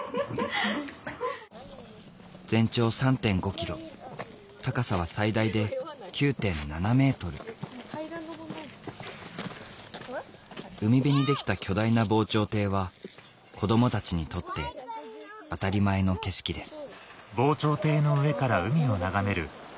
全長３．５ｋｍ高さは最大で９．７ｍ海辺にできた巨大な防潮堤は子供たちにとって当たり前の景色です